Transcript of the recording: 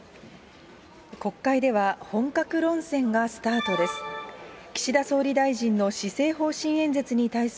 国会では本格論戦がスタートです。